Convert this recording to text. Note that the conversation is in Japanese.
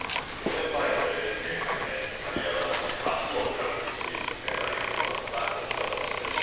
４年前のＮＨＫ杯でイタリア男子初のグランプリシリーズメダリストとなったこちらの選手。